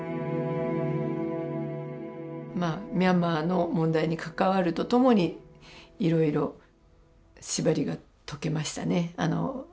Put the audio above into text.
まあミャンマーの問題に関わるとともにいろいろ縛りが解けましたね。